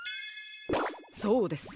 そうです。